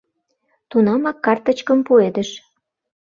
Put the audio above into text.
Тунамак картычкым пуэдыш.